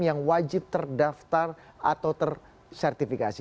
yang wajib terdaftar atau tersertifikasi